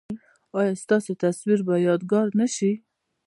ایا ستاسو تصویر به یادګار نه شي؟